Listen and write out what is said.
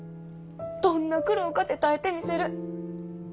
どんな苦労かて耐えてみせる。